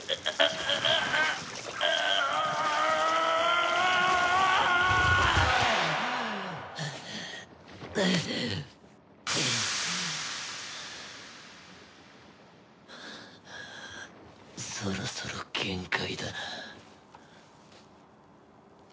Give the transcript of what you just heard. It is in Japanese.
ハアそろそろ限界だな。